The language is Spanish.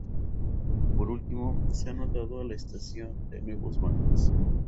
Por último, se ha dotado a la estación de nuevos bancos.